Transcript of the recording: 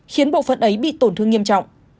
khiến bộ phận ấy bị tổn thương nghiêm trọng